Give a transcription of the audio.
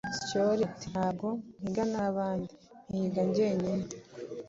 Syoli, ati: Nta bwo mpigana n’abandi mpiga genyine.